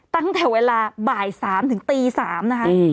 ตั้งแต่เวลาบ่าย๓ถึงตี๓นะคะ